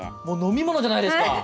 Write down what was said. もう飲み物じゃないですか。